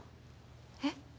えっ？